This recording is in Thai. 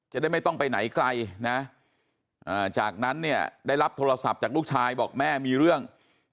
จะได้ไม่ต้องไปไหนไกลนะจากนั้นเนี่ยได้รับโทรศัพท์จากลูกชายบอกแม่มีเรื่อง